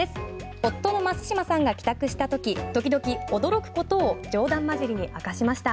夫の増嶋さんが帰宅したとき時々驚くことを冗談交じりに明かしました。